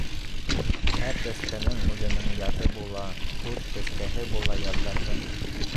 Һәр сәскәнең үҙенең яҙы була, Үҙ сәскәһе була яҙҙарҙың...